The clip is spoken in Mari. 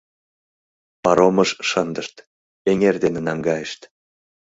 Паромыш шындышт, эҥер дене наҥгайышт.